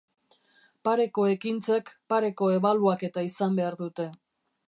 Pareko ekintzek pareko ebaluaketa izan behar dute.